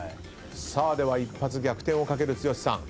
さあでは一発逆転をかける剛さん。